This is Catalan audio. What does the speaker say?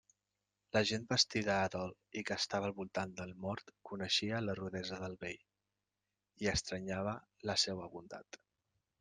La gent vestida de dol que estava al voltant del mort coneixia la rudesa del vell, i estranyava la seua bondat.